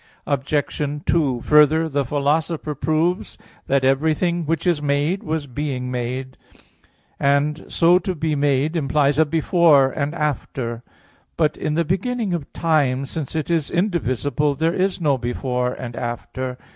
Obj. 2: Further, the Philosopher proves (Phys. vi, text 40) that everything which is made, was being made; and so to be made implies a "before" and "after." But in the beginning of time, since it is indivisible, there is no "before" and "after."